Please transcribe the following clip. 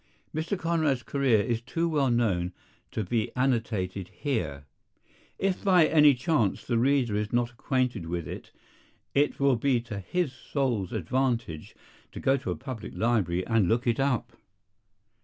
Mr. Conrad's career is too well known to be annotated here. If by any chance the reader is not acquainted with it, it will be to his soul's advantage to go to a public library and look it up.